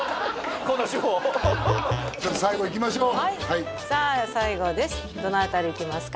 この手法ちょっと最後いきましょうはいさあ最後ですどの辺りいきますか？